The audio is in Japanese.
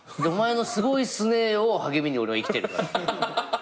お前の「すごいっすね」を励みに俺は生きてるから。